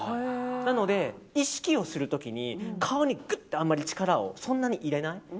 なので、意識する時に顔にあまり力をそんなに入れない。